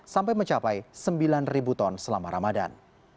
sampai mencapai sembilan ribu ton selama ramadan